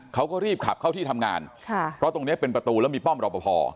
เขาก็รีบขับเข้าที่ทำงานค่ะเพราะตรงเนี้ยเป็นประตูแล้วมีป้อมรอปภ